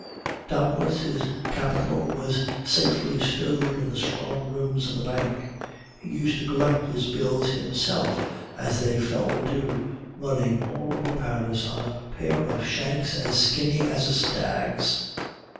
Doubtless his capital was safely stowed in the strong rooms of the Bank. He used to collect his bills himself as they fell due, running all over Paris on a pair of shanks as skinny as a stag's.